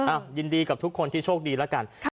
ยินดีกับทุกคนที่โชคดีแล้วกัน